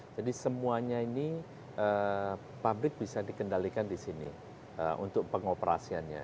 jadi semuanya ini pabrik bisa dikendalikan di sini untuk pengoperasiannya